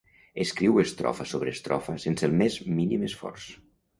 Escriu estrofa sobre estrofa sense el més mínim esforç